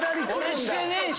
俺してねえし。